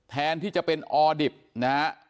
แทนที่จะเป็นออดิบนะฮะ